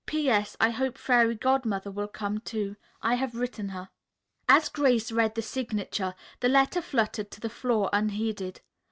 "P. S. I hope Fairy Godmother will come, too. I have written her." As Grace read the signature, the letter fluttered to the floor unheeded.